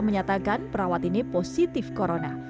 menyatakan perawat ini positif corona